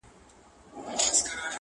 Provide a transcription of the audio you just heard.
• لکه راغلی چي له خیبر یې,